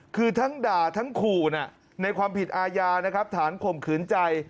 คือทั้งด่าทั้งขู่ในความผิดอาญานะครับฐานข่มขืนใจ